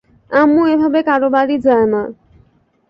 আম্মু এভাবে কারো বাড়ি যায় না।